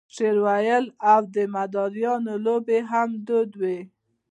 شعر ویل او د مداریانو لوبې هم دود وې.